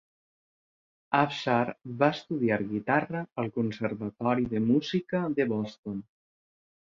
Afshar va estudiar guitara al Conservatori de Música de Boston.